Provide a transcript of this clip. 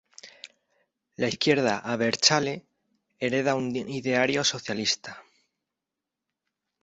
La izquierda "abertzale" hereda un ideario socialista.